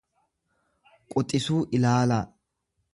quxisuu ilaalaa.